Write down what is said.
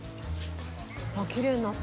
あっきれいになった。